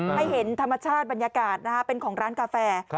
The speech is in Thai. ให้เห็นธรรมชาติบรรยากาศเป็นของร้านกาแฟ